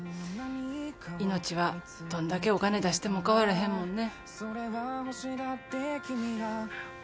命はどんだけお金出しても買われへんもんね。